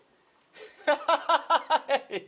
ハハハハ！